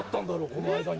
この間に。